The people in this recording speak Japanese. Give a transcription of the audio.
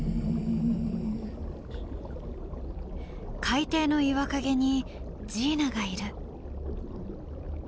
海底の岩陰にジーナがいる。